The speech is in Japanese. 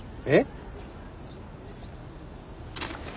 えっ？